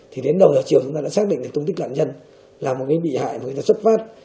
thì đến đầu chiều chúng ta đã xác định cái tung tích lạn nhân là một cái bị hại mà người ta xuất phát